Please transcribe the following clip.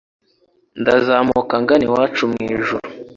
ndazamuka ngana iwacu mw'ijuru